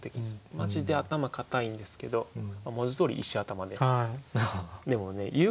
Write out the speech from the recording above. マジで頭固いんですけど文字どおり石頭で。